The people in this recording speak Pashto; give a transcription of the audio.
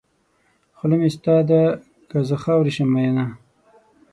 خوله مې ستا ده که زه خاورې شم مینه.